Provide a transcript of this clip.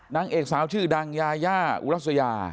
นางเอกสาวชื่อดังยายาอุรัสยา